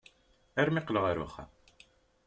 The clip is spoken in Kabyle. Armi qqleɣ ɣer uxxam.